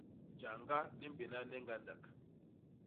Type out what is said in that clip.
Jañga li mbéna ne ñgandak.